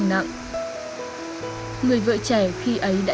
đàn nạn xảy ra